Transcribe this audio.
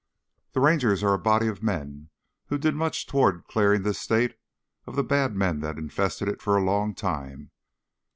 "The Rangers are a body of men who did much toward clearing this state of the bad men that infested it for a long time."